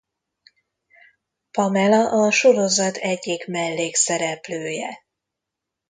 Pamela a sorozat egyik mellékszereplője.